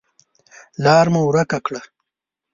لار مو ورکه کړه .